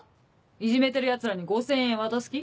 いじめてるヤツらに５０００円渡す気？